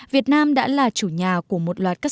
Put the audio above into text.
việt nam đã là chủ nhà của một loại tổ chức